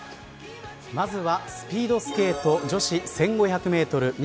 まずはスピードスケート女子１５００メートル